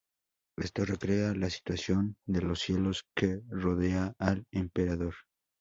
Esto recrea la situación de los cielos que rodea al emperador.